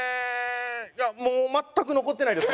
いやもう全く残ってないです。